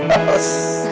ya kita masuk